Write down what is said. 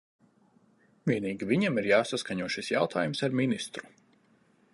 Vienīgi viņam ir jāsaskaņo šis jautājums ar ministru.